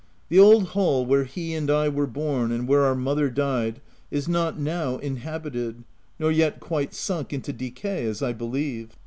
The old hall where he and I were born and where our mother died, is not now inhabited, nor yet quite sunk into decay, as I believe.